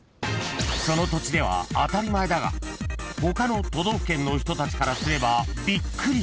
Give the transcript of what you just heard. ［その土地では当たり前だが他の都道府県の人たちからすればびっくり］